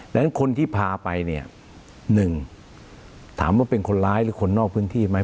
ดังนั้นคนที่พาไปเนี่ยหนึ่งถามว่าเป็นคนร้ายหรือคนนอกพื้นที่ไหม